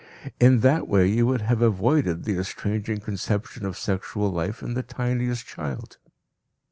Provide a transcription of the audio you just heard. In that way you would have avoided the estranging conception of sexual life in the tiniest child."